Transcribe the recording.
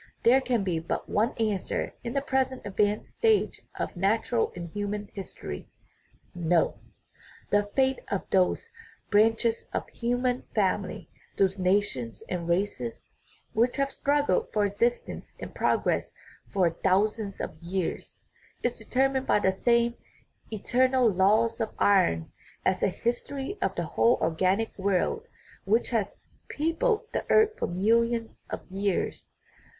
There can be but one answer in the present advanced stage of nat ural and human history : No. The fate of those branch es of the human family, those nations and races which have struggled for existence and progress for thou sands of years, is determined by the same "eternal laws of iron" as the history of the whole organic world which has peopled the earth for millions of years.